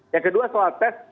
yang kedua soal tes